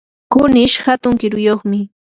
kunish hatun kiruyuqmi.